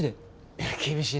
いや厳しいなぁ。